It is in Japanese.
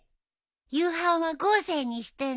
夕飯は豪勢にしてね。